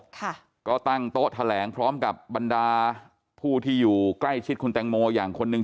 ค่ะก็ตั้งโต๊ะแถลงพร้อมกับบรรดาผู้ที่อยู่ใกล้ชิดคุณแตงโมอย่างคนหนึ่ง